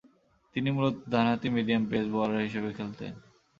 তিনি মূলতঃ ডানহাতি মিডিয়াম পেস বোলার হিসেবে খেলতেন।